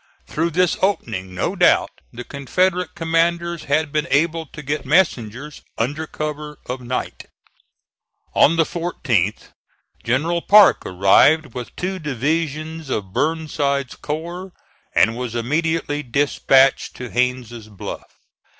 Through this opening no doubt the Confederate commanders had been able to get messengers under cover of night. On the 14th General Parke arrived with two divisions of Burnside's corps, and was immediately dispatched to Haines' Bluff.